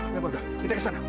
ya udah kita ke sana